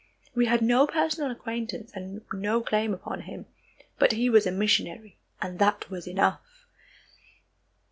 We had no personal acquaintance and no claim upon him, but he was a missionary, and that was enough.